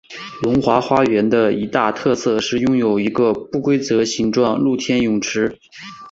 龙华花园的一大特色是拥有一个不规则形状露天游泳池。